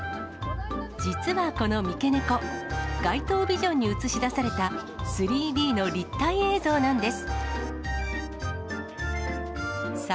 実はこの三毛猫、街頭ビジョンに映し出された、３Ｄの立体映像なんです。